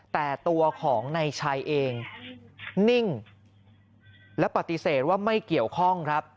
แต่ตัวของนายชัยเองนิ่งและปฏิเสธว่าไม่เกี่ยวข้องครับ